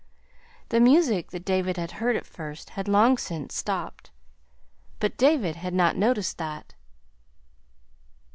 The music that David had heard at first had long since stopped; but David had not noticed that.